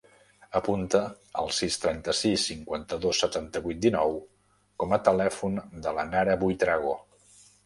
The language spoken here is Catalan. Apunta el sis, trenta-sis, cinquanta-dos, setanta-vuit, dinou com a telèfon de la Nara Buitrago.